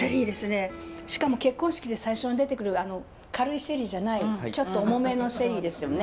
しかも結婚式で最初に出てくる軽いシェリーじゃないちょっと重めのシェリーですよね。